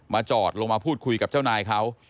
จอดลงมาพูดคุยกับเจ้านายเขา